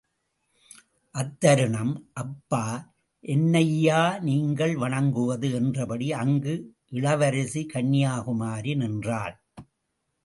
அத்தருணம், அப்பா.என்னையா நீங்கள் வணங்குவது? என்றபடி, அங்கு இளவரசி கன்யாகுமரி நின்றாள்!